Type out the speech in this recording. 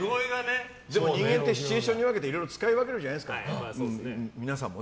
でも、人間ってシチュエーションに分けていろいろ使い分けるじゃないですか皆さんも。